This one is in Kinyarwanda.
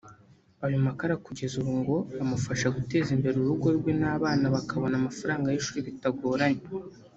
Ayo makara kugeza ubu ngo amufasha guteza imbere urugo rwe n’abana bakabona amafaranga y’ishuri bitagoranye